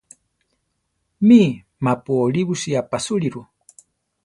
Mí, ma-pu olíbusi aʼpasúliru.